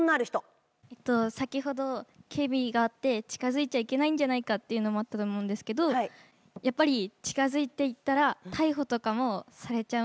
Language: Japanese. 先ほど警備があって近づいちゃいけないんじゃないかっていうのもあったと思うんですけどやっぱり近づいていったら逮捕とかもされちゃうんですか？